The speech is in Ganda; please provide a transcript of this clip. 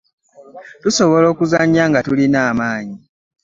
Tusobola okuzannya nga tulina amaanyi.